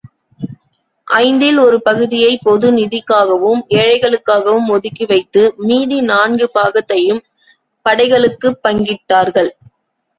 ஐந்தில் ஒரு பகுதியை, பொது நிதிக்காகவும் ஏழைகளுக்காகவும் ஒதுக்கி வைத்து, மீதி நான்கு பாகத்தையும், படைகளுக்குப் பங்கிட்டார்கள்.